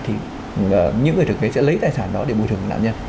thì những người thực tế sẽ lấy tài sản đó để bồi thường cho nạn nhân